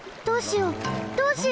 どうしよう！